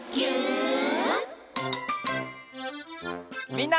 みんな。